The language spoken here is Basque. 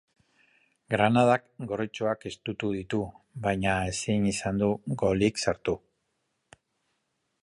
Granadak gorritxoak estutu ditu, baina ezin izan du golik sartu.